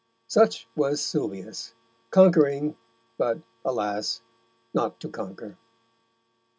Such was Sylvius, conquering but, alas! not to conquer.